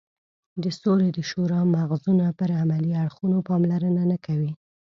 د سولې د شورا مغزونه پر عملي اړخونو پاملرنه نه کوي.